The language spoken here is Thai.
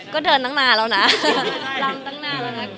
ก็เดินตั้งนานแล้วนะลำตั้งนานแล้วนะ